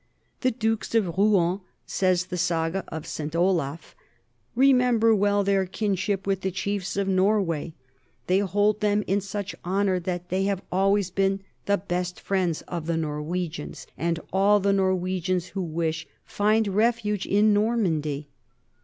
The dukes of Rouen, says the Saga of St. Olaf, "remember well their kinship with the chiefs of Norway; they hold them in such honor that they have always been the best friends of the Norwe gians, and all the Norwegians who wish find refuge in Normandy."